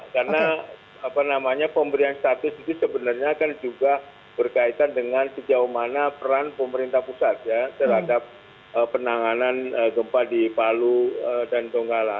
karena pemberian status itu sebenarnya akan juga berkaitan dengan sejauh mana peran pemerintah pusat terhadap penanganan gempa di palu dan tenggala